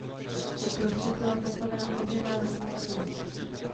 Uprostřed byla postavena otevřená lesní kaple.